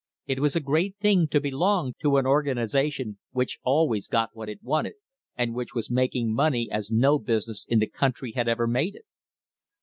It was a great thing to belong to an organisation which always got what it wanted, and which was making money as no business in the country had ever made it.